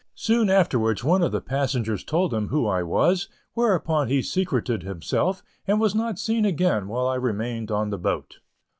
Soon afterwards one of the passengers told him who I was, whereupon he secreted himself, and was not seen again while I remained on the boat.